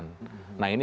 nah ini yang penting